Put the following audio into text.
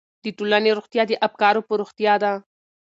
د ټولنې روغتیا د افکارو په روغتیا ده.